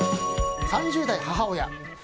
３０代母親。